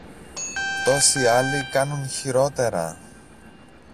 Τόσοι άλλοι κάνουν χειρότερα!